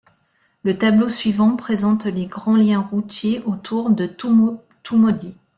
Le tableau suivant présente les grands liens routiers autour de Toumodi.